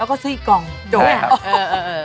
แล้วก็ซื้ออีกกล่องเลือน